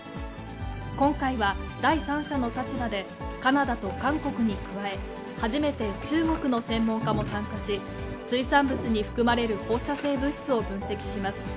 今回は第三者の立場で、カナダと韓国に加え、初めて中国の専門家も参加し、水産物に含まれる放射性物質を分析します。